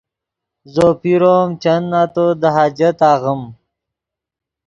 زو پیرو ام چند نتو دے حاجت آغیم